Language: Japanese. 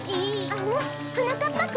あらはなかっぱくんなの？